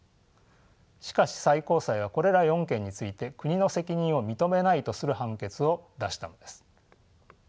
しかし最高裁はこれら４件について国の責任を認めないとする判決を出したのです。